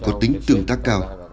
có tính tưởng tác cao